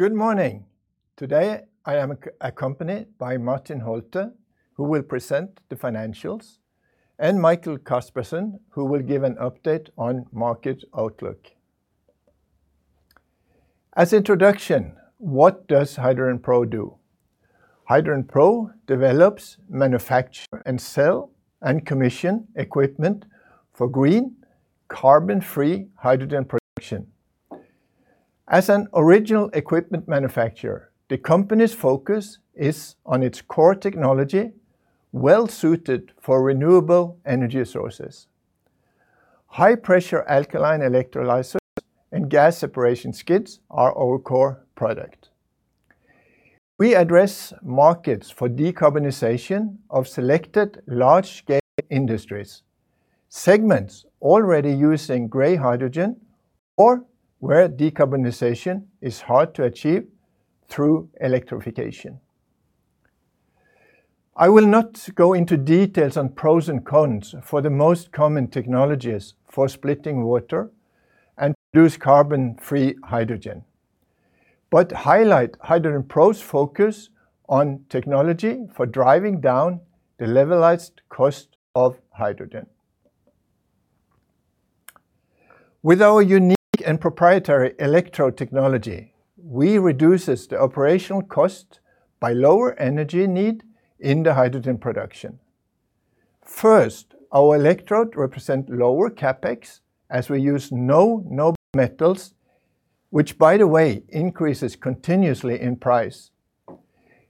Good morning. Today, I am accompanied by Martin Thanem Holtet, who will present the financials, and Michael Caspersen, who will give an update on market outlook. As introduction, what does HydrogenPro do? HydrogenPro develops, manufacture, and sell and commission equipment for green carbon-free hydrogen production. As an original equipment manufacturer, the company's focus is on its core technology, well-suited for renewable energy sources. High-pressure alkaline electrolyzers and gas separation skids are our core product. We address markets for decarbonization of selected large-scale industries, segments already using gray hydrogen or where decarbonization is hard to achieve through electrification. I will not go into details on pros and cons for the most common technologies for splitting water and produce carbon-free hydrogen, but highlight HydrogenPro's focus on technology for driving down the levelized cost of hydrogen. With our unique and proprietary electrode technology, we reduce the operational cost by lower energy need in the hydrogen production. First, our electrode represents lower CapEx as we use no noble metals, which by the way, increases continuously in price.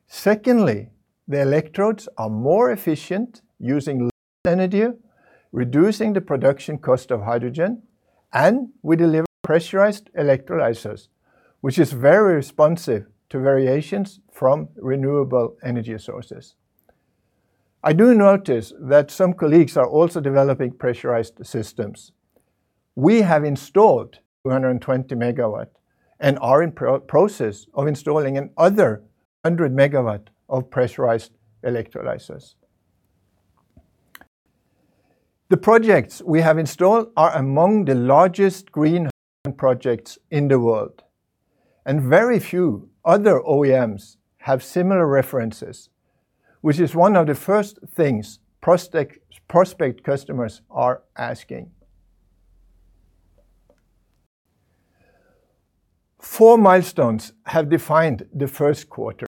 Secondly, the electrodes are more efficient, using less energy, reducing the production cost of hydrogen, and we deliver pressurized electrolyzers, which is very responsive to variations from renewable energy sources. I do notice that some colleagues are also developing pressurized systems. We have installed 220 MW and are in process of installing another 100 MW of pressurized electrolyzers. The projects we have installed are among the largest green hydrogen projects in the world, and very few other OEMs have similar references, which is one of the first things prospect customers are asking. Four milestones have defined the first quarter.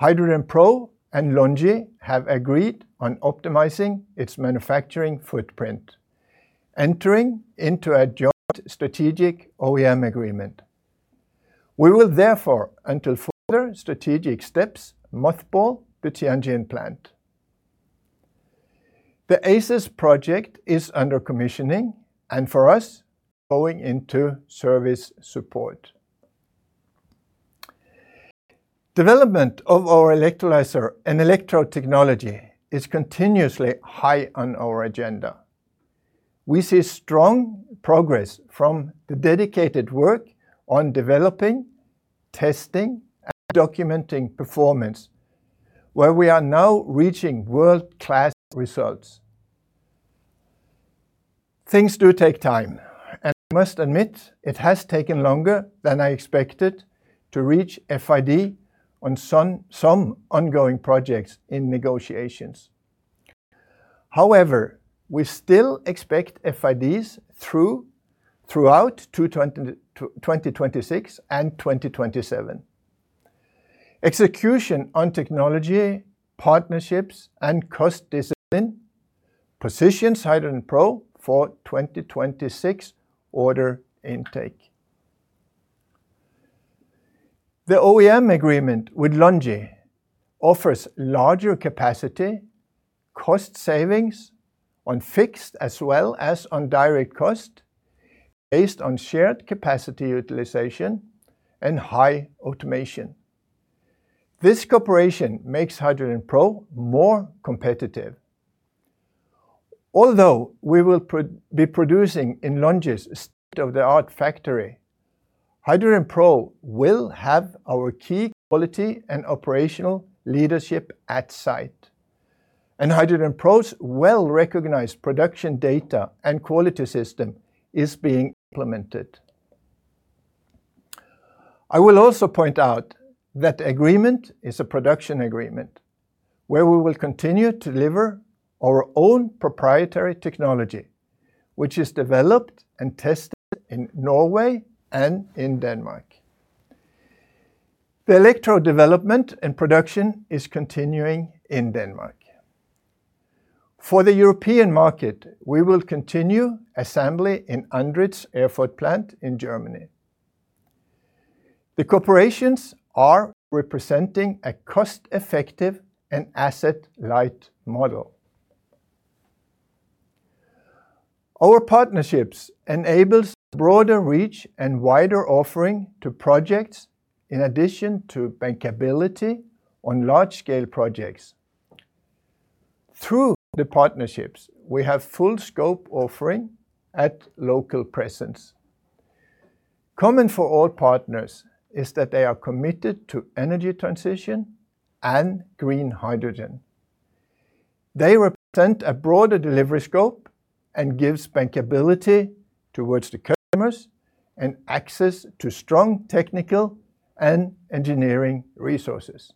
HydrogenPro and LONGi have agreed on optimizing its manufacturing footprint, entering into a joint strategic OEM agreement. We will therefore, until further strategic steps, mothball the Tianjin plant. The ACES project is under commissioning and for us, going into service support. Development of our electrolyser and electrode technology is continuously high on our agenda. We see strong progress from the dedicated work on developing, testing, and documenting performance where we are now reaching world-class results. Things do take time, and I must admit it has taken longer than I expected to reach FID on some ongoing projects in negotiations. However, we still expect FIDs throughout 2026 and 2027. Execution on technology, partnerships, and cost discipline positions HydrogenPro for 2026 order intake. The OEM agreement with LONGi offers larger capacity, cost savings on fixed as well as on direct cost based on shared capacity utilization and high automation. This cooperation makes HydrogenPro more competitive. Although we will probably producing in Longi's state-of-the-art factory, HydrogenPro will have our key quality and operational leadership at site. HydrogenPro's well-recognized production data and quality system is being implemented. I will also point out that agreement is a production agreement where we will continue to deliver our own proprietary technology, which is developed and tested in Norway and in Denmark. The electrode development and production is continuing in Denmark. For the European market, we will continue assembly in Andritz Erfurt plant in Germany. The cooperations are representing a cost-effective and asset-light model. Our partnerships enables broader reach and wider offering to projects in addition to bankability on large-scale projects. Through the partnerships, we have full scope offering at local presence. Common for all partners is that they are committed to energy transition and green hydrogen. They represent a broader delivery scope and gives bankability towards the customers and access to strong technical and engineering resources.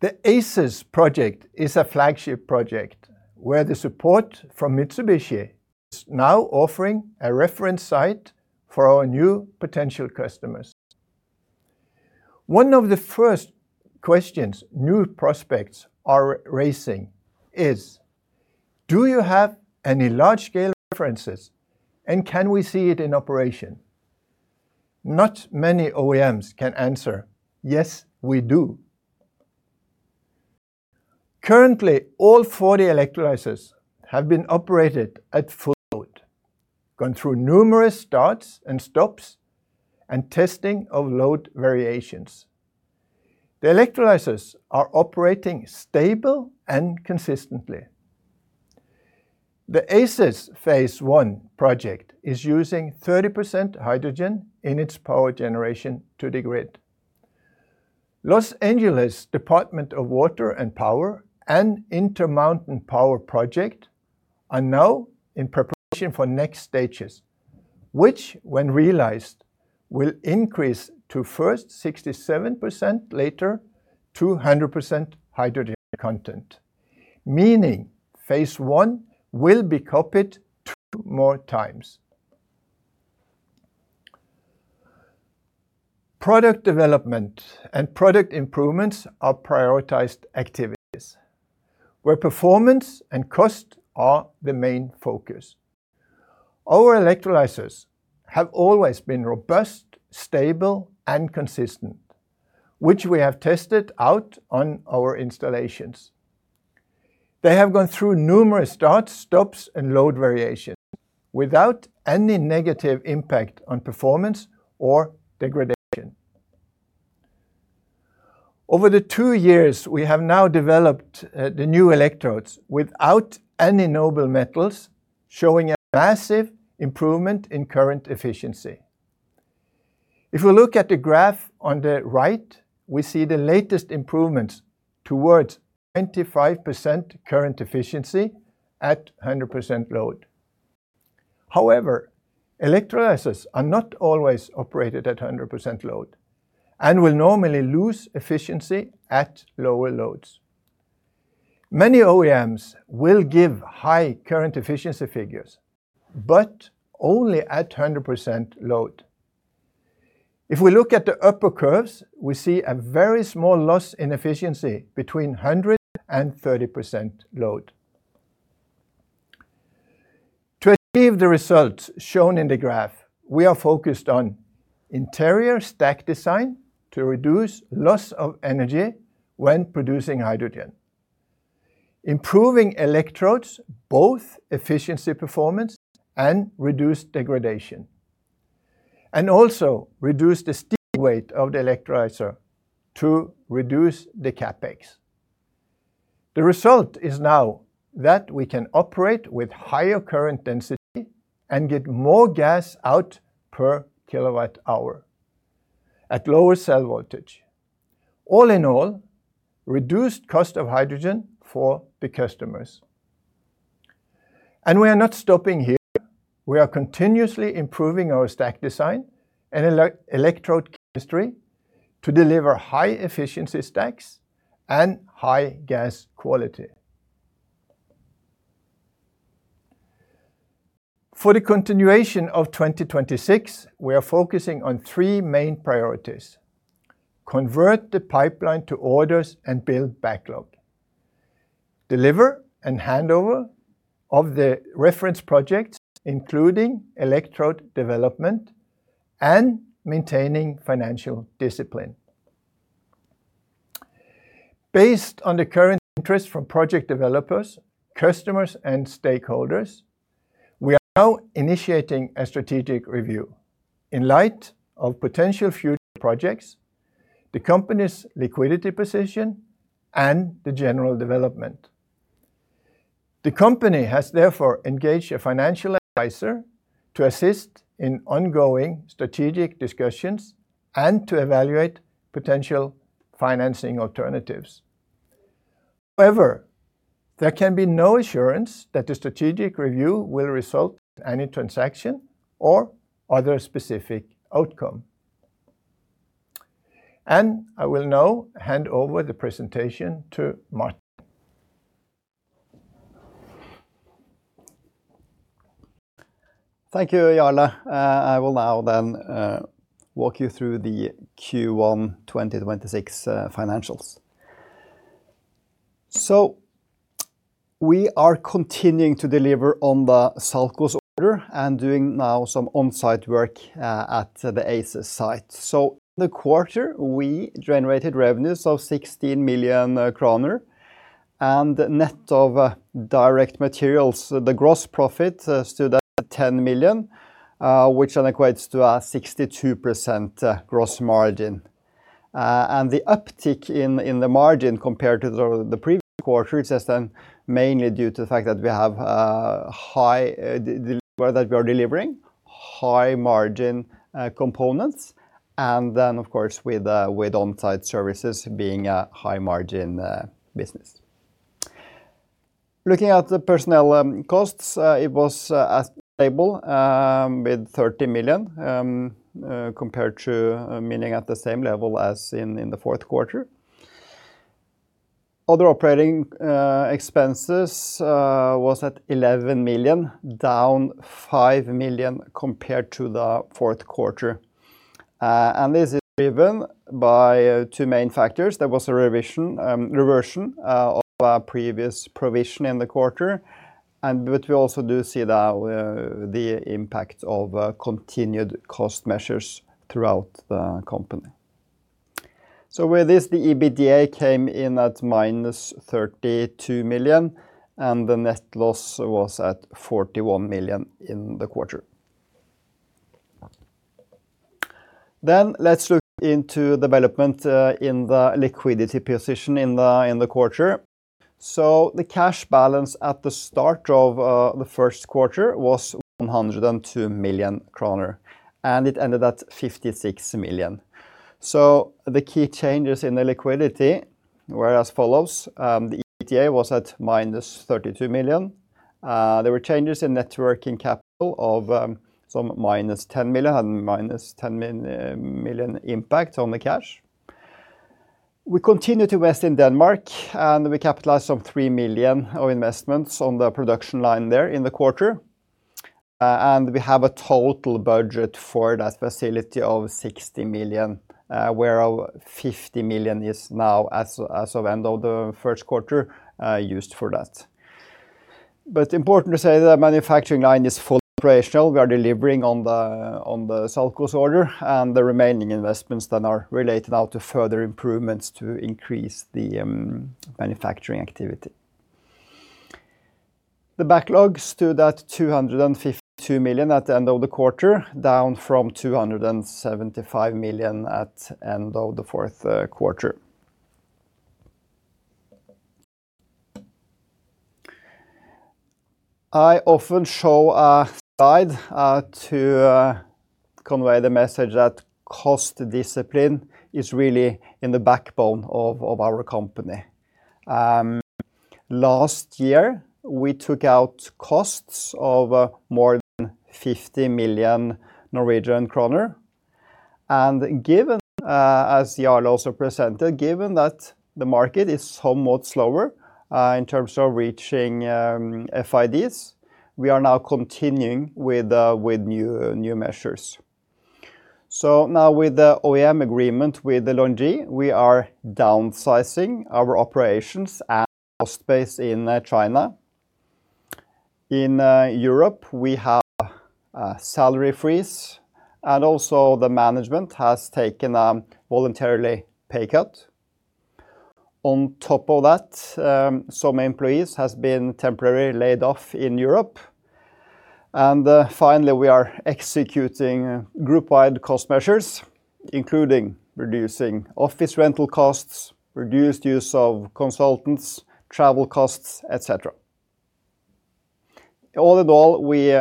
The ACES project is a flagship project where the support from Mitsubishi is now offering a reference site for our new potential customers. One of the first questions new prospects are raising is, do you have any large scale references, and can we see it in operation? Not many OEMs can answer, "Yes, we do." Currently, all 40 electrolyzers have been operated at full load, gone through numerous starts and stops, and testing of load variations. The electrolyzers are operating stable and consistently. The ACES phase I project is using 30% hydrogen in its power generation to the grid. Los Angeles Department of Water and Power and Intermountain Power Project are now in preparation for next stages, which when realized, will increase to first 67%, later to 100% hydrogen content, meaning phase I will be copied two more times. Product development and product improvements are prioritized activities where performance and cost are the main focus. Our electrolyzers have always been robust, stable and consistent, which we have tested out on our installations. They have gone through numerous starts, stops and load variations without any negative impact on performance or degradation. Over the two years, we have now developed the new electrodes without any noble metals, showing a massive improvement in current efficiency. If we look at the graph on the right, we see the latest improvements towards 25% current efficiency at 100% load. However, electrolyzers are not always operated at 100% load and will normally lose efficiency at lower loads. Many OEMs will give high current efficiency figures, but only at 100% load. If we look at the upper curves, we see a very small loss in efficiency between 100% and 30% load. To achieve the results shown in the graph, we are focused on interior stack design to reduce loss of energy when producing hydrogen. Improving electrodes, both efficiency performance and reduced degradation, and also reduce the steel weight of the electrolyzer to reduce the CapEx. The result is now that we can operate with higher current density and get more gas out per kilowatt hour at lower cell voltage. All in all, reduced cost of hydrogen for the customers. We are not stopping here. We are continuously improving our stack design and electrode chemistry to deliver high-efficiency stacks and high gas quality. For the continuation of 2026, we are focusing on three main priorities. Convert the pipeline to orders and build backlog, deliver and handover of the reference projects, including electrode development and maintaining financial discipline. Based on the current interest from project developers, customers and stakeholders, we are now initiating a strategic review in light of potential future projects, the company's liquidity position and the general development. The company has therefore engaged a financial advisor to assist in ongoing strategic discussions and to evaluate potential financing alternatives. There can be no assurance that the strategic review will result in any transaction or other specific outcome. I will now hand over the presentation to Martin. Thank you, Jarle. I will now then walk you through the Q1 2026 financials. We are continuing to deliver on the SALCOS order and doing now some on-site work at the ACES site. In the quarter, we generated revenues of 16 million kroner and net of direct materials. The gross profit stood at 10 million, which then equates to a 62% gross margin. The uptick in the margin compared to the previous quarter is just then mainly due to the fact that we have work that we are delivering high-margin components and then of course with on-site services being a high-margin business. Looking at the personnel costs, it was as stable, with 30 million, compared to meaning at the same level as in the fourth quarter. Other operating expenses was at 11 million, down 5 million compared to the fourth quarter. This is driven by two main factors. There was a reversion of a previous provision in the quarter and but we also do see the impact of continued cost measures throughout the company. With this, the EBITDA came in at minus 32 million and the net loss was at 41 million in the quarter. Let's look into development in the liquidity position in the quarter. The cash balance at the start of the first quarter was 102 million kroner, and it ended at 56 million. The key changes in the liquidity were as follows. The EBITDA was at -32 million. There were changes in net working capital of some -10 million and minus 10 million impact on the cash. We continue to invest in Denmark, and we capitalized some 3 million of investments on the production line there in the quarter. And we have a total budget for that facility of 60 million, where 50 million is now as of end of the first quarter used for that. Important to say that manufacturing line is fully operational. We are delivering on the SALCOS order, and the remaining investments then are related now to further improvements to increase the manufacturing activity. The backlog stood at 252 million at the end of the quarter, down from 275 million at end of the fourth quarter. I often show a slide to convey the message that cost discipline is really in the backbone of our company. Last year, we took out costs of more than 50 million Norwegian kroner. Given as Jarle also presented, given that the market is somewhat slower in terms of reaching FIDs, we are now continuing with new measures. Now with the OEM agreement with the LONGi, we are downsizing our operations and cost base in China. In Europe, we have a salary freeze, and also the management has taken a voluntarily pay cut. On top of that, some employees has been temporarily laid off in Europe. Finally, we are executing group-wide cost measures, including reducing office rental costs, reduced use of consultants, travel costs, et cetera. All in all, we,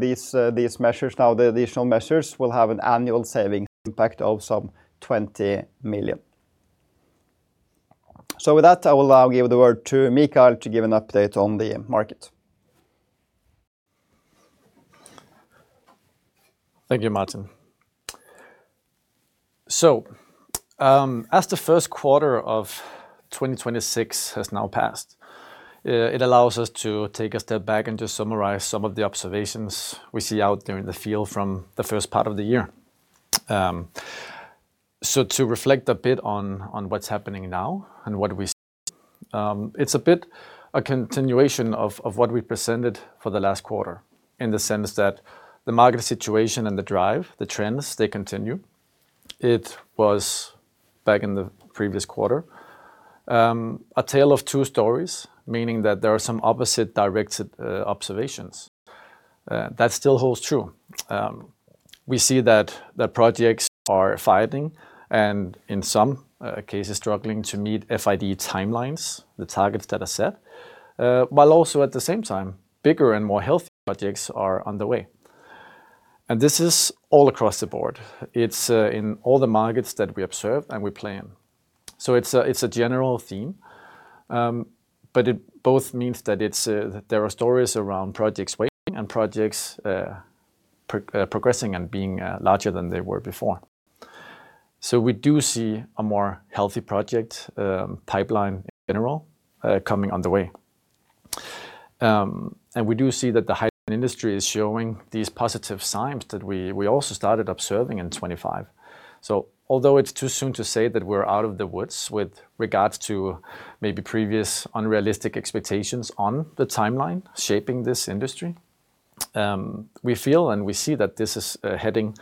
with these measures now, the additional measures will have an annual saving impact of some 20 million. With that, I will now give the word to Mikael to give an update on the market. Thank you, Martin. As the first quarter of 2026 has now passed, it allows us to take a step back and to summarize some of the observations we see out there in the field from the first part of the year. To reflect a bit on what's happening now and what we see, it's a bit a continuation of what we presented for the last quarter, in the sense that the market situation and the drive, the trends, they continue. It was back in the previous quarter, a tale of two stories, meaning that there are some opposite directed observations. That still holds true. We see that the projects are fighting and in some cases struggling to meet FID timelines, the targets that are set. While also at the same time, bigger and more healthy projects are on the way. This is all across the board. It's in all the markets that we observe and we play in. It's a general theme, but it both means that it's there are stories around projects waiting and projects progressing and being larger than they were before. We do see a more healthy project pipeline in general coming on the way. We do see that the hydrogen industry is showing these positive signs that we also started observing in 25. Although it's too soon to say that we're out of the woods with regards to maybe previous unrealistic expectations on the timeline shaping this industry, we feel and we see that this is heading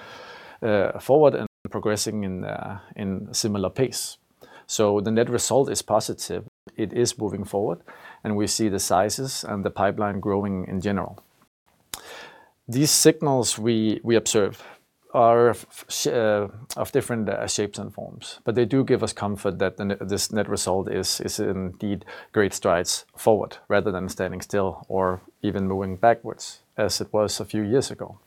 forward and progressing in similar pace. The net result is positive. It is moving forward, and we see the sizes and the pipeline growing in general. These signals we observe are of different shapes and forms. They do give us comfort that this net result is indeed great strides forward rather than standing still or even moving backwards, as it was a few years ago.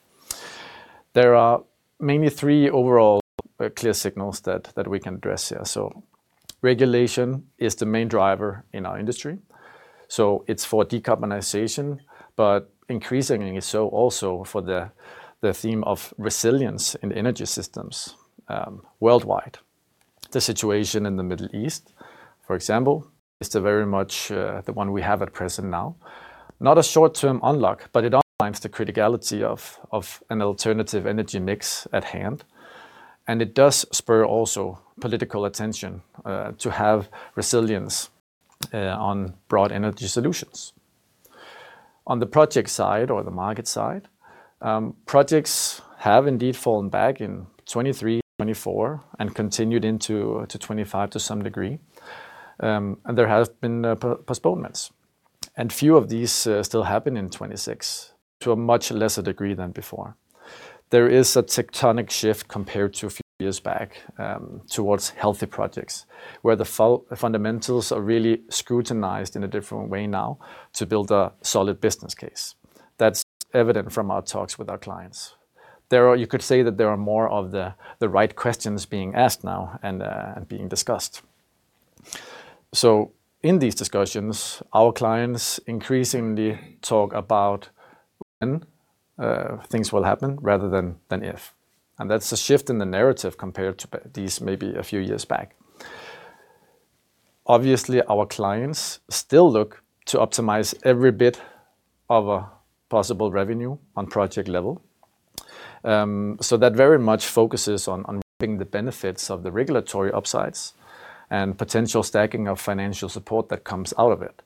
There are mainly three overall clear signals that we can address here. Regulation is the main driver in our industry, it's for decarbonization, but increasingly so also for the theme of resilience in energy systems worldwide. The situation in the Middle East, for example, is very much the one we have at present now. Not a short-term unlock, but it underlines the criticality of an alternative energy mix at hand, and it does spur also political attention to have resilience on broad energy solutions. On the project side or the market side, projects have indeed fallen back in 2023, 2024 and continued into 2025 to some degree. There have been postponements, and few of these still happen in 2026 to a much lesser degree than before. There is a tectonic shift compared to a few years back, towards healthy projects, where the fundamentals are really scrutinized in a different way now to build a solid business case. That's evident from our talks with our clients. There are more of the right questions being asked now and being discussed. In these discussions, our clients increasingly talk about when things will happen rather than if, and that's a shift in the narrative compared to these maybe a few years back. Our clients still look to optimize every bit of a possible revenue on project level. That very much focuses on reaping the benefits of the regulatory upsides and potential stacking of financial support that comes out of it.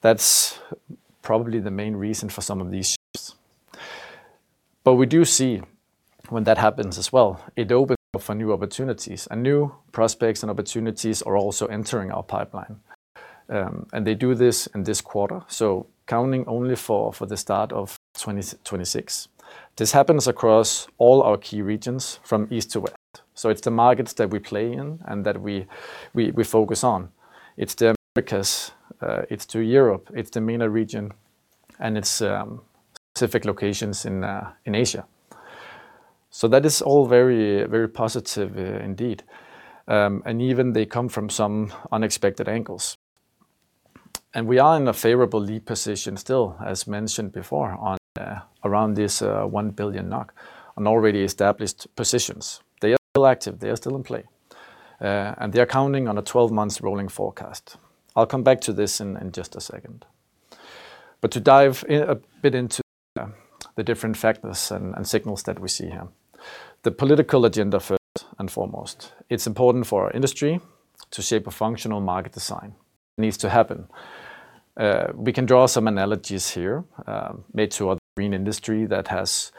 That's probably the main reason for some of these shifts. We do see when that happens as well, it opens up for new opportunities and new prospects and opportunities are also entering our pipeline. They do this in this quarter, so counting only for the start of 2026. This happens across all our key regions from east to west, so it's the markets that we play in and that we focus on. It's the Americas, it's through Europe, it's the MENA region, and it's specific locations in Asia. That is all very, very positive indeed, and even they come from some unexpected angles. We are in a favorable lead position still, as mentioned before, around this 1 billion NOK on already established positions. They are still active. They are still in play. They are counting on a 12-months rolling forecast. I'll come back to this in just a second. To dive in a bit into the different factors and signals that we see here. The political agenda first and foremost. It's important for our industry to shape a functional market design. It needs to happen. We can draw some analogies here made to other green industry that has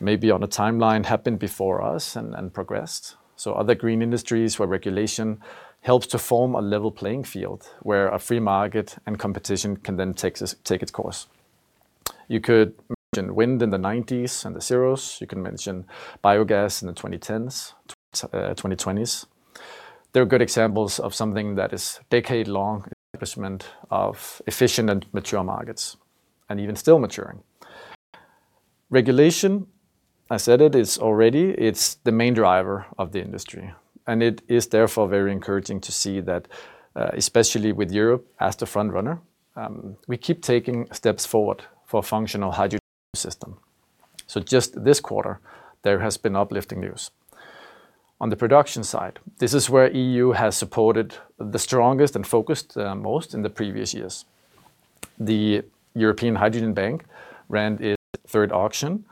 maybe on a timeline happened before us and progressed. Other green industries where regulation helps to form a level playing field where a free market and competition can then take its course. You could mention wind in the 90s and the 00s. You can mention biogas in the 2010s, 2020s. They're good examples of something that is decade-long establishment of efficient and mature markets, and even still maturing. Regulation, I said it, is already, it's the main driver of the industry, and it is therefore very encouraging to see that, especially with Europe as the front runner, we keep taking steps forward for a functional hydrogen system. Just this quarter, there has been uplifting news. On the production side, this is where EU has supported the strongest and focused most in the previous years. The European Hydrogen Bank ran its third auction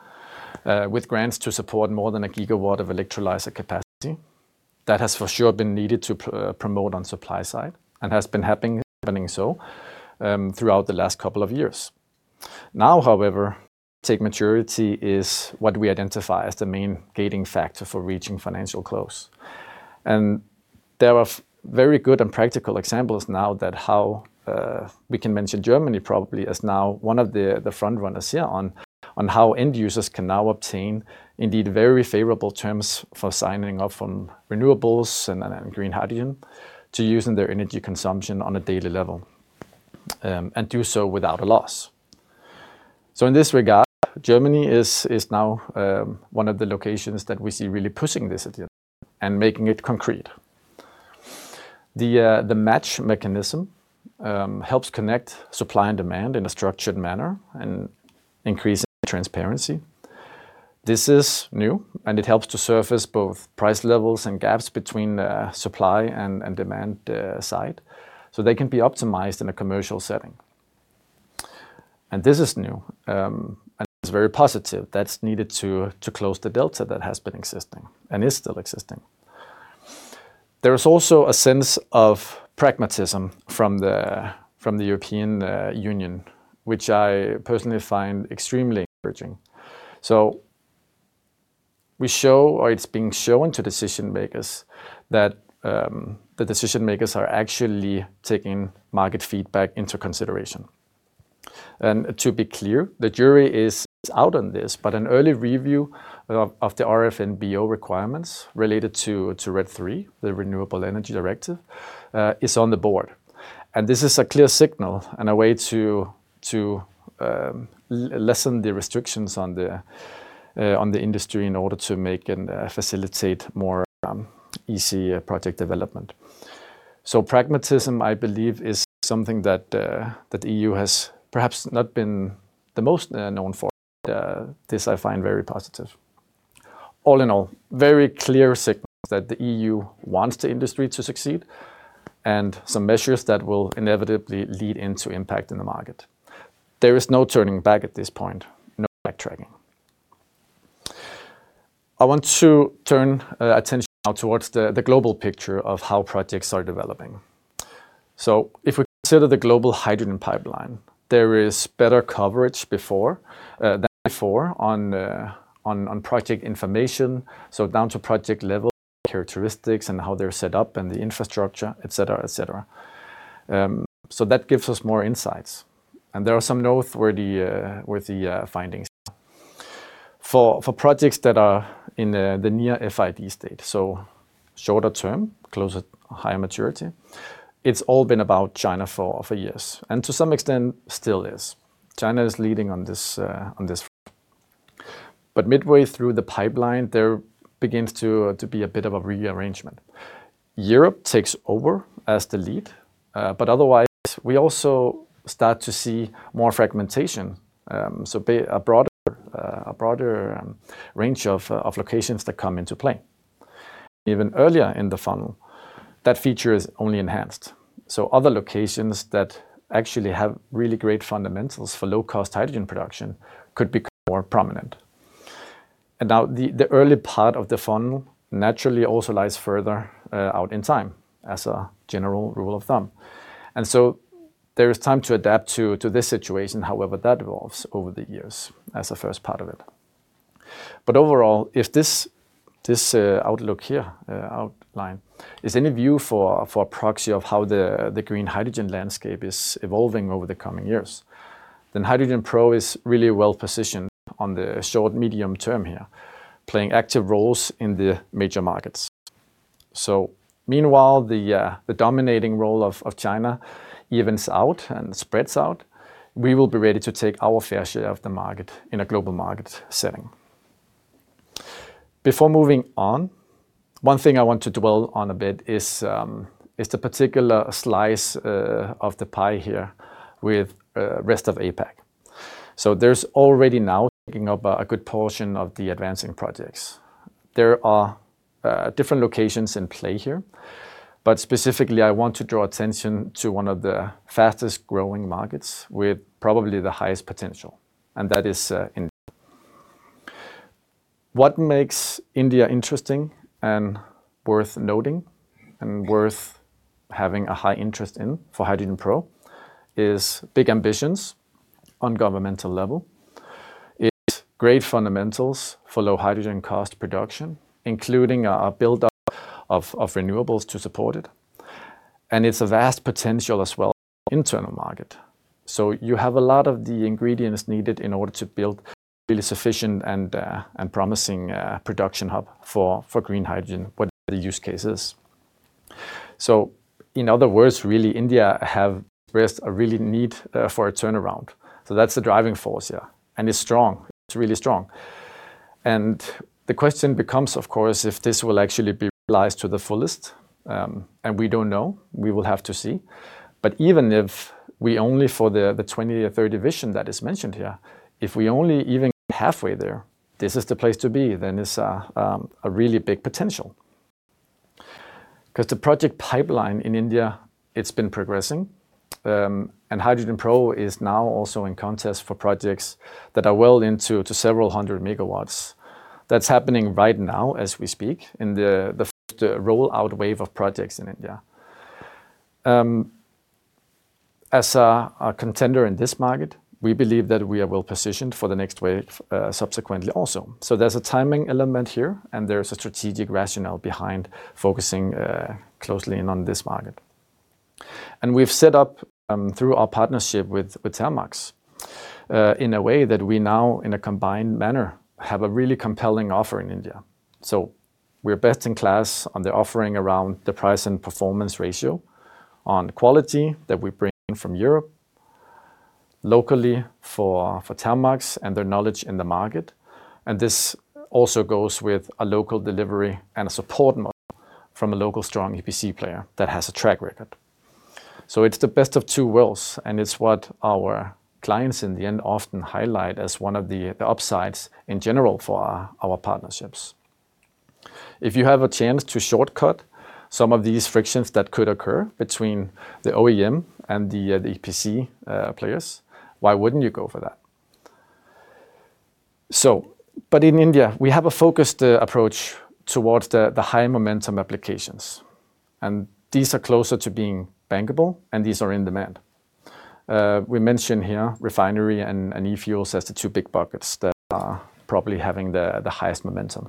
with grants to support more than 1 GW of electrolyzer capacity. That has for sure been needed to promote on supply side and has been happening so throughout the last couple of years. Now, however, project maturity is what we identify as the main gating factor for reaching financial close. There are very good and practical examples now that how we can mention Germany probably as now one of the front runners here on how end users can now obtain indeed very favorable terms for signing up on renewables and green hydrogen to use in their energy consumption on a daily level and do so without a loss. In this regard, Germany is now one of the locations that we see really pushing this agenda and making it concrete. The match mechanism helps connect supply and demand in a structured manner and increasing transparency. This is new, and it helps to surface both price levels and gaps between the supply and demand side, so they can be optimized in a commercial setting. This is new, and it's very positive. That's needed to close the delta that has been existing and is still existing. There is also a sense of pragmatism from the European Union, which I personally find extremely encouraging. We show or it's being shown to decision-makers that the decision-makers are actually taking market feedback into consideration. To be clear, the jury is out on this, but an early review of the RFNBO requirements related to RED III, the Renewable Energy Directive, is on the board. This is a clear signal and a way to lessen the restrictions on the industry in order to make and facilitate more easy project development. Pragmatism, I believe, is something that EU has perhaps not been the most known for, but this I find very positive. All in all, very clear signals that the EU wants the industry to succeed, some measures that will inevitably lead into impact in the market. There is no turning back at this point, no backtracking. I want to turn attention now towards the global picture of how projects are developing. If we consider the global hydrogen pipeline, there is better coverage than before on project information, down to project level characteristics and how they're set up and the infrastructure, et cetera, et cetera. That gives us more insights. There are some noteworthy findings there. For projects that are in the near FID state, shorter term, closer, higher maturity, it's all been about China for years, to some extent still is. China is leading on this on this front. Midway through the pipeline, there begins to be a bit of a rearrangement. Europe takes over as the lead, otherwise we also start to see more fragmentation, a broader range of locations that come into play. Even earlier in the funnel, that feature is only enhanced. Other locations that actually have really great fundamentals for low-cost hydrogen production could become more prominent. Now the early part of the funnel naturally also lies further out in time as a general rule of thumb. There is time to adapt to this situation however that evolves over the years as a first part of it. Overall, if this outlook here, outline is any view for a proxy of how the green hydrogen landscape is evolving over the coming years, then HydrogenPro is really well-positioned on the short, medium term here, playing active roles in the major markets. Meanwhile, the dominating role of China evens out and spreads out. We will be ready to take our fair share of the market in a global market setting. Before moving on, one thing I want to dwell on a bit is the particular slice of the pie here with rest of APAC. There's already now taking up a good portion of the advancing projects. There are different locations in play here, specifically I want to draw attention to one of the fastest-growing markets with probably the highest potential, and that is India. What makes India interesting and worth noting and worth having a high interest in for HydrogenPro is big ambitions on governmental level. It's great fundamentals for low hydrogen cost production, including a buildup of renewables to support it. It's a vast potential as well as an internal market. You have a lot of the ingredients needed in order to build really sufficient and promising production hub for green hydrogen, whatever the use case is. In other words, really India have expressed a really need for a turnaround. That's the driving force, yeah. It's strong. It's really strong. The question becomes, of course, if this will actually be realized to the fullest. We don't know. We will have to see. Even if we only for the 20 or 30 vision that is mentioned here, if we only even get halfway there, this is the place to be, then it's a really big potential. The project pipeline in India, it's been progressing. HydrogenPro is now also in contest for projects that are well into several hundred megawatts. That's happening right now as we speak in the first rollout wave of projects in India. As a contender in this market, we believe that we are well positioned for the next wave subsequently also. There's a timing element here, and there's a strategic rationale behind focusing closely in on this market. We've set up through our partnership with Thermax in a way that we now in a combined manner have a really compelling offer in India. We're best in class on the offering around the price and performance ratio, on quality that we bring from Europe locally for Thermax and their knowledge in the market. This also goes with a local delivery and a support model from a local strong EPC player that has a track record. It's the best of two worlds, and it's what our clients in the end often highlight as one of the upsides in general for our partnerships. If you have a chance to shortcut some of these frictions that could occur between the OEM and the EPC players, why wouldn't you go for that? But in India, we have a focused approach towards the high momentum applications, and these are closer to being bankable, and these are in demand. We mentioned here refinery and e-fuels as the two big buckets that are probably having the highest momentum.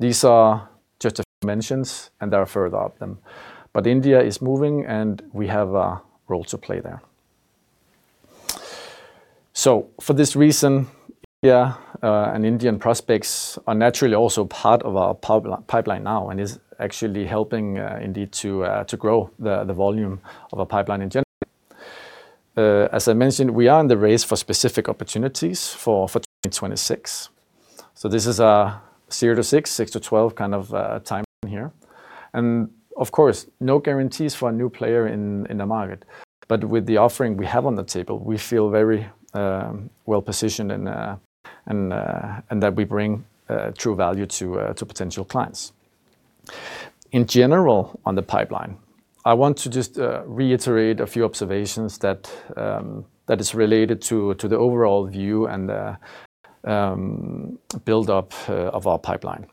These are just a few mentions, and there are further of them. But India is moving, and we have a role to play there. For this reason, India and Indian prospects are naturally also part of our pipeline now and is actually helping indeed to grow the volume of our pipeline in general. As I mentioned, we are in the race for specific opportunities for 2026. This is a zero to six to 12 kind of timeline here. Of course, no guarantees for a new player in the market. With the offering we have on the table, we feel very well-positioned and that we bring true value to potential clients. In general, on the pipeline, I want to just reiterate a few observations that is related to the overall view and the build up of our pipeline.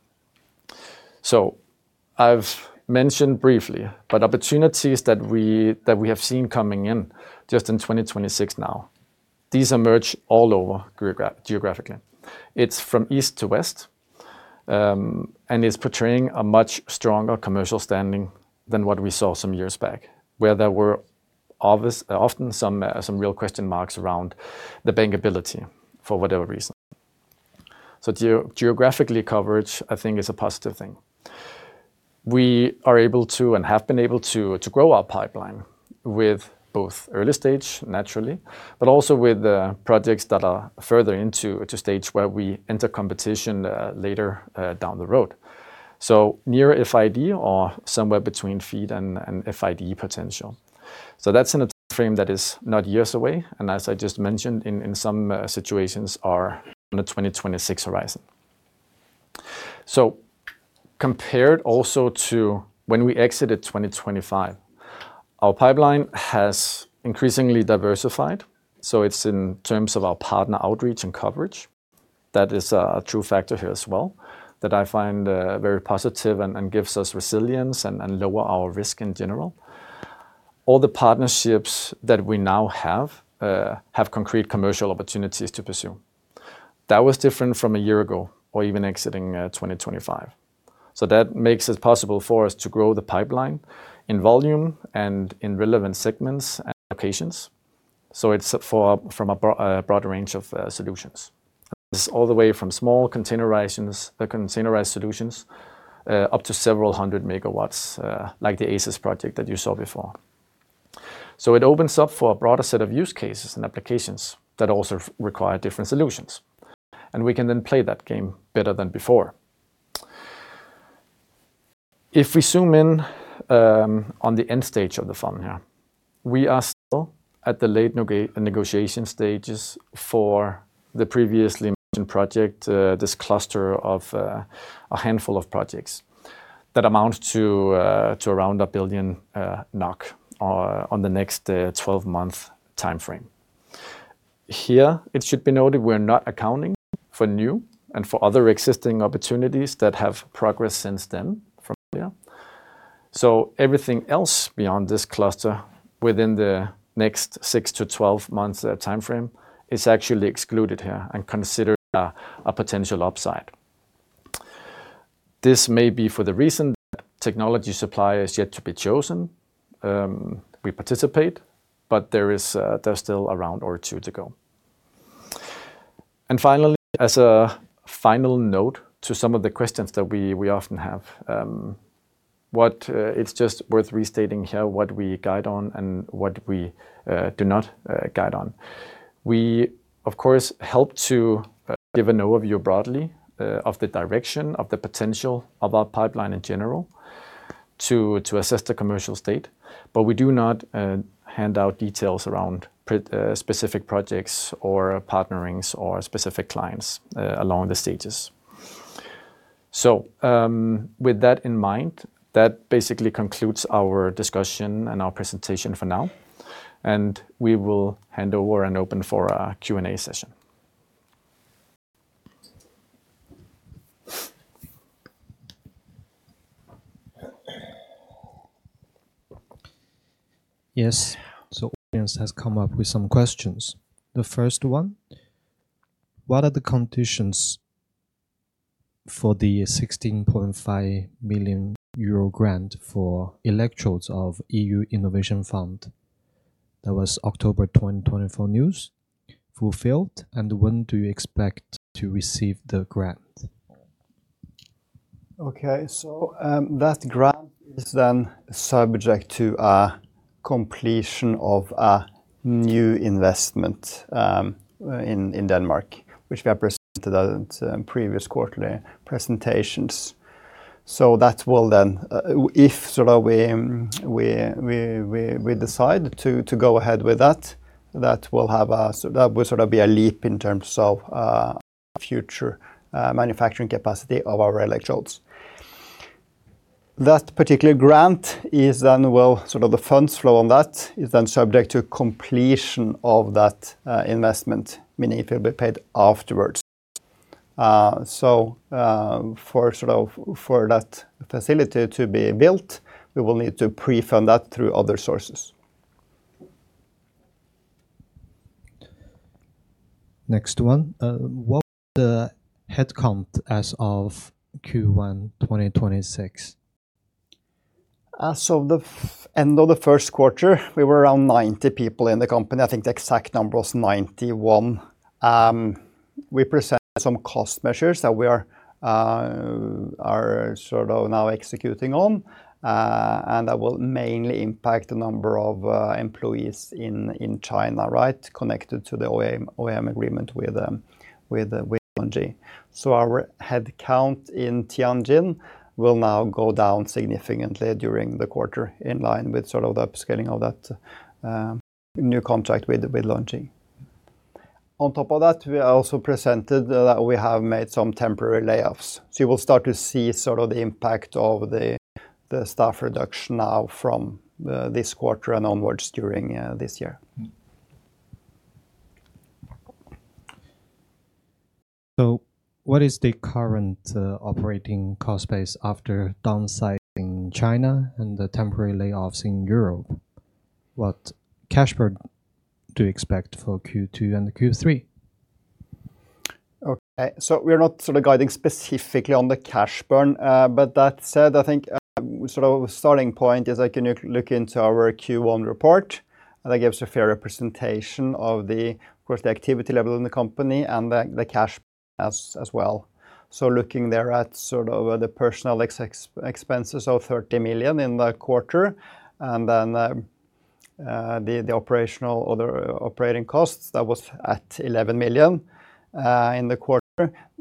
I've mentioned briefly, but opportunities that we have seen coming in just in 2026 now, these emerge all over geographically. It's from east to west, and is portraying a much stronger commercial standing than what we saw some years back, where there were often some real question marks around the bankability for whatever reason. Geographically coverage, I think, is a positive thing. We are able to and have been able to grow our pipeline with both early stage, naturally, but also with projects that are further into a stage where we enter competition later down the road. Near FID or somewhere between FEED and FID potential. That's in a timeframe that is not years away, and as I just mentioned, in some situations are on the 2026 horizon. Compared also to when we exited 2025, our pipeline has increasingly diversified, so it's in terms of our partner outreach and coverage. That is a true factor here as well that I find very positive and gives us resilience and lower our risk in general. All the partnerships that we now have have concrete commercial opportunities to pursue. That was different from a year ago or even exiting 2025. That makes it possible for us to grow the pipeline in volume and in relevant segments and applications. It's from a broader range of solutions. This is all the way from small containerized solutions up to several hundred megawatts, like the ACES project that you saw before. It opens up for a broader set of use cases and applications that also require different solutions, and we can then play that game better than before. If we zoom in on the end stage of the funnel here, we are still at the late negotiation stages for the previously mentioned project, this cluster of a handful of projects that amount to around 1 billion NOK on the next 12-month timeframe. Here, it should be noted we're not accounting for new and for other existing opportunities that have progressed since then from here. Everything else beyond this cluster within the next 6-12 months timeframe is actually excluded here and considered a potential upside. This may be for the reason that technology supplier is yet to be chosen. We participate, but there's still a round or two to go. Finally, as a final note to some of the questions that we often have, It's just worth restating here what we guide on and what we do not guide on. We, of course, help to give an overview broadly of the direction of the potential of our pipeline in general to assess the commercial state. We do not hand out details around specific projects or partnerings or specific clients along the stages. With that in mind, that basically concludes our discussion and our presentation for now, and we will hand over and open for a Q&A session. Yes. The audience has come up with some questions. The first one, what are the conditions for the 16.5 million euro grant for electrodes of EU Innovation Fund? That was October 2024 news fulfilled, when do you expect to receive the grant? That grant is then subject to a completion of a new investment in Denmark, which we have presented at previous quarterly presentations. That will then, if sort of we decide to go ahead with that will sort of be a leap in terms of future manufacturing capacity of our electrodes. That particular grant is then, well, sort of the funds flow on that is then subject to completion of that investment, meaning it will be paid afterwards. For sort of for that facility to be built, we will need to prefund that through other sources. Next one. What was the headcount as of Q1 2026? As of the end of the first quarter, we were around 90 people in the company. I think the exact number was 91. We presented some cost measures that we are sort of now executing on, and that will mainly impact the number of employees in China, right? Connected to the OEM agreement with LONGi. Our headcount in Tianjin will now go down significantly during the quarter, in line with sort of the upscaling of that new contract with LONGi. On top of that, we also presented that we have made some temporary layoffs. You will start to see sort of the impact of the staff reduction now from this quarter and onwards during this year. What is the current operating cost base after downsizing China and the temporary layoffs in Europe? What cash burn do you expect for Q2 and Q3? Okay. We're not sort of guiding specifically on the cash burn. That said, I think, sort of a starting point is I can look into our Q1 report. That gives a fair representation of the, of course, the activity level in the company and the cash burn as well. Looking there at sort of the personal expenses of 30 million in the quarter, and then, the operational or the operating costs, that was at 11 million in the quarter.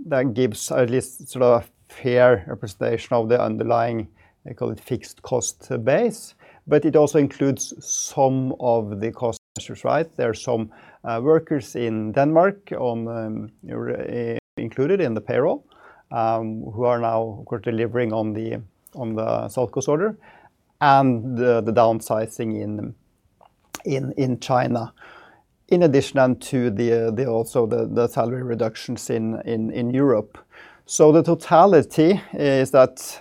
That gives at least sort of a fair representation of the underlying, they call it fixed cost base, but it also includes some of the cost measures, right? There are some workers in Denmark included in the payroll, who are now, of course, delivering on the SALCOS order and the downsizing in China. In addition, and to the salary reductions in Europe. The totality is that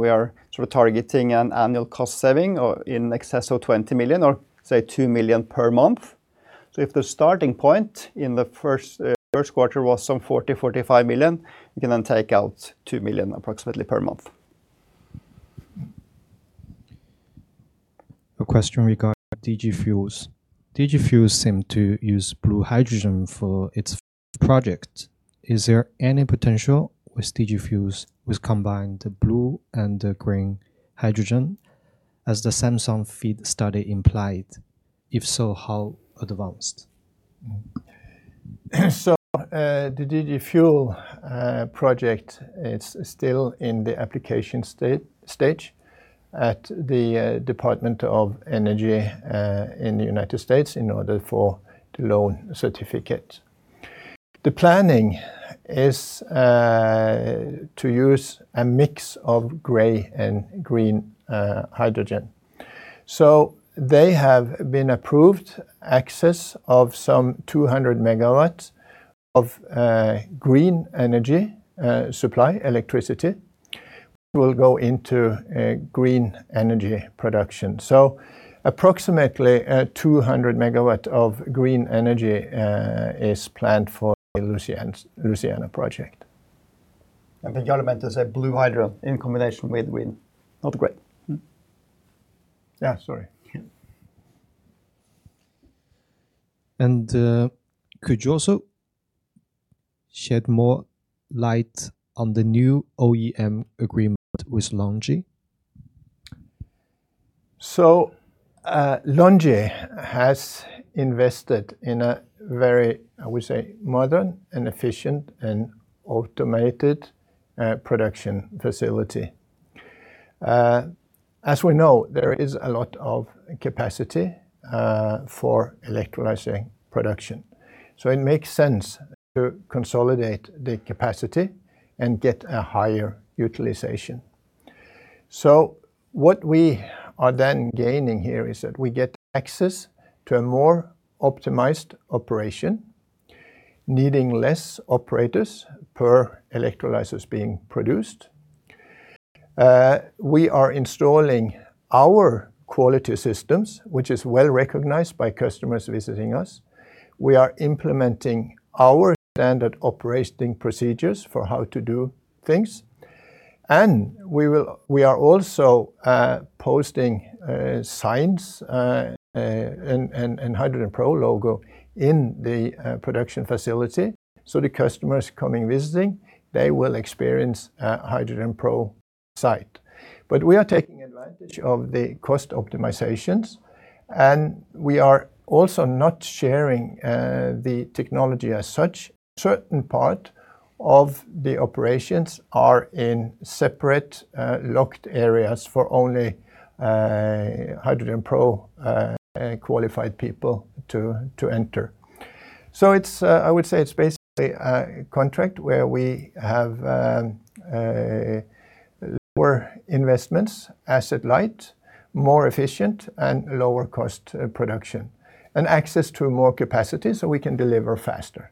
we are sort of targeting an annual cost saving, or in excess of 20 million, or say 2 million per month. If the starting point in the first quarter was some 40 million-45 million, you can then take out 2 million approximately per month. A question regarding DG Fuels. DG Fuels seemed to use blue hydrogen for its first project. Is there any potential with DG Fuels with combined blue and green hydrogen as the Samsung FEED study implied? If so, how advanced? The DG Fuels project is still in the application stage at the Department of Energy in the United States in order for the loan certificate. The planning is to use a mix of gray and green hydrogen. They have been approved access of some 200 MW of green energy supply electricity will go into a green energy production. Approximately 200 MW of green energy is planned for the Louisiana project. The element is a blue hydrogen in combination with green, not gray. Yeah, sorry. Yeah. Could you also shed more light on the new OEM agreement with LONGi? LONGi has invested in a very, I would say, modern and efficient and automated production facility. As we know, there is a lot of capacity for electrolyzer production. It makes sense to consolidate the capacity and get a higher utilization. What we are then gaining here is that we get access to a more optimized operation, needing less operators per electrolyzers being produced. We are installing our quality systems, which is well-recognized by customers visiting us. We are implementing our standard operating procedures for how to do things. We are also posting signs and HydrogenPro logo in the production facility. The customers coming, visiting, they will experience a HydrogenPro site. We are taking advantage of the cost optimizations, and we are also not sharing the technology as such. Certain part of the operations are in separate locked areas for only HydrogenPro qualified people to enter. It's I would say it's basically a contract where we have lower investments, asset light, more efficient and lower cost production, and access to more capacity so we can deliver faster.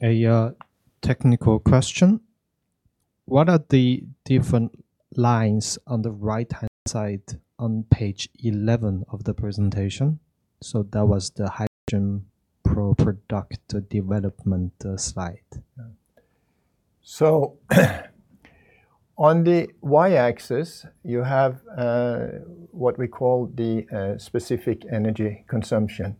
A technical question. What are the different lines on the right-hand side on page 11 of the presentation? That was the HydrogenPro product development slide. On the Y-axis, you have what we call the specific energy consumption.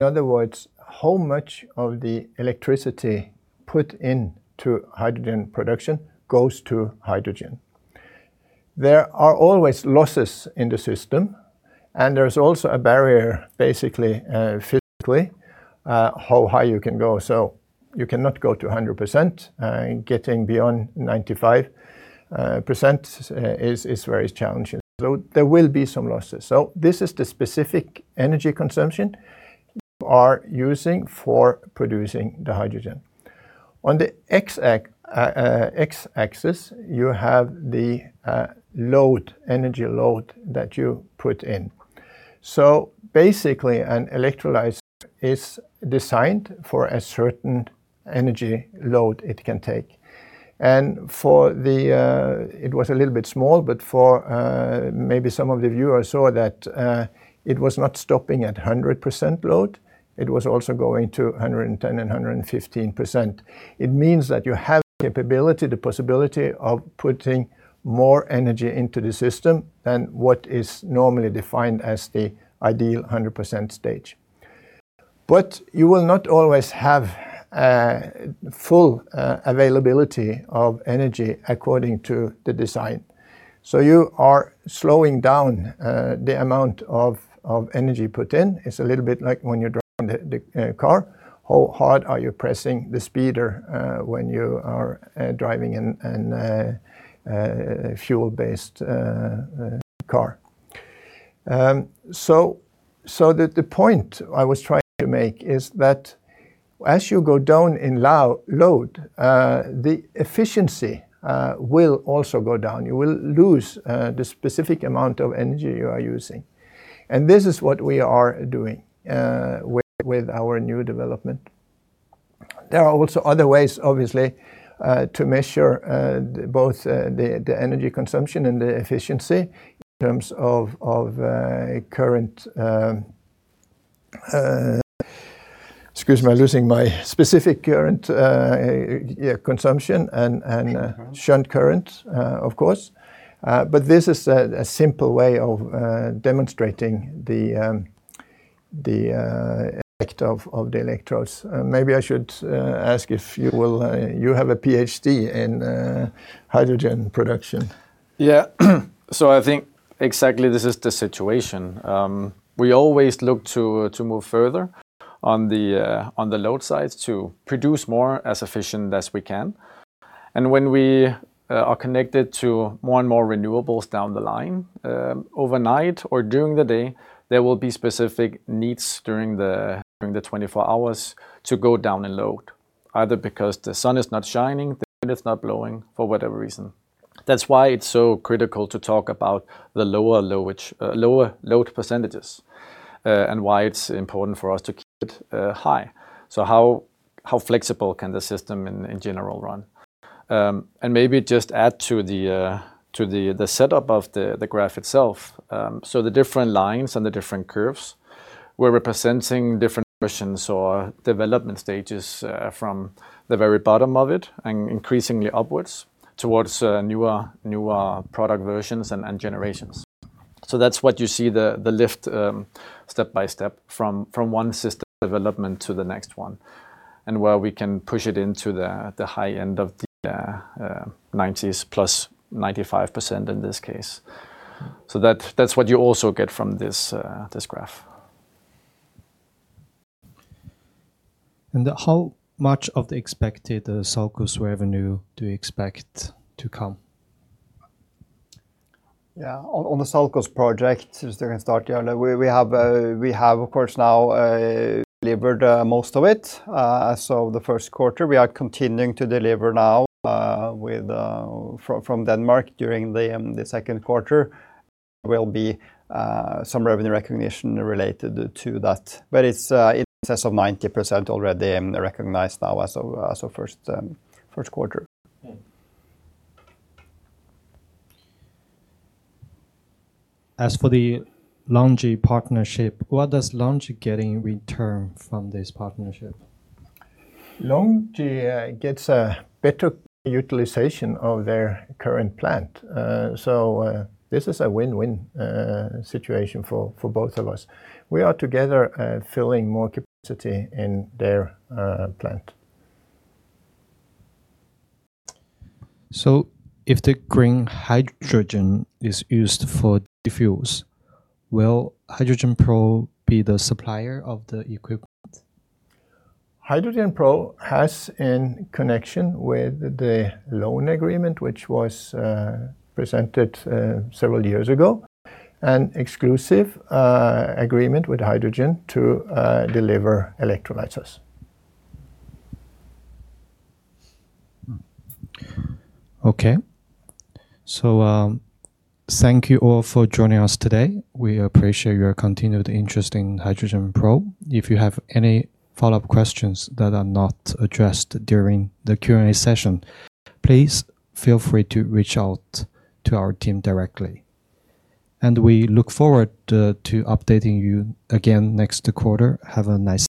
In other words, how much of the electricity put into hydrogen production goes to hydrogen. There are always losses in the system, and there's also a barrier, basically, physically, how high you can go. You cannot go to 100%. Getting beyond 95%, is very challenging. There will be some losses. This is the specific energy consumption you are using for producing the hydrogen. On the X-axis, you have the load, energy load that you put in. Basically, an electrolyzer is designed for a certain energy load it can take. For the, it was a little bit small, but for, maybe some of the viewers saw that, it was not stopping at 100% load, it was also going to 110% and 115%. It means that you have the capability, the possibility of putting more energy into the system than what is normally defined as the ideal 100% stage. You will not always have, full availability of energy according to the design. You are slowing down, the amount of energy put in. It's a little bit like when you're driving the car. How hard are you pressing the speeder, when you are, driving an fuel-based car? The point I was trying to make is that as you go down in low-load, the efficiency will also go down. You will lose the specific amount of energy you are using. This is what we are doing with our new development. There are also other ways, obviously, to measure both the energy consumption and the efficiency in terms of current, excuse me, I'm losing my specific current consumption and shunt current, of course. This is a simple way of demonstrating the effect of the electrodes. Maybe I should ask if you will, you have a PhD in hydrogen production. Yeah. I think exactly this is the situation. We always look to move further on the load side to produce more as efficient as we can. When we are connected to more and more renewables down the line, overnight or during the day, there will be specific needs during the 24 hours to go down in load, either because the sun is not shining, the wind is not blowing, for whatever reason. That's why it's so critical to talk about the lower load percentages and why it's important for us to keep it high. How flexible can the system in general run? And maybe just add to the setup of the graph itself. The different lines and the different curves, we're representing different versions or development stages, from the very bottom of it and increasingly upwards towards newer product versions and generations. That's what you see the lift, step-by-step from one system development to the next one, and where we can push it into the high end of the 90s plus 95% in this case. That's what you also get from this graph. How much of the expected SALCOS revenue do you expect to come? Yeah. On the SALCOS project, since I can start, Jarle, we have, of course, now, delivered, most of it, as of the first quarter. We are continuing to deliver now, with, from Denmark during the second quarter. There will be some revenue recognition related to that. It's in excess of 90% already and recognized now as of first quarter. As for the LONGi partnership, what does LONGi get in return from this partnership? LONGi gets a better utilization of their current plant. This is a win-win situation for both of us. We are together filling more capacity in their plant. If the green hydrogen is used for DG Fuels, will HydrogenPro be the supplier of the equipment? HydrogenPro has, in connection with the loan agreement, which was presented, several years ago, an exclusive agreement with Hydrogen to deliver electrolyzers. Okay. Thank you all for joining us today. We appreciate your continued interest in HydrogenPro. If you have any follow-up questions that are not addressed during the Q&A session, please feel free to reach out to our team directly. We look forward to updating you again next quarter. Have a nice day